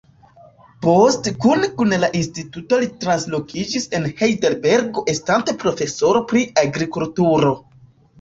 Poste kune kun la instituto li translokiĝis el Hejdelbergo estante profesoro pri agrikulturo.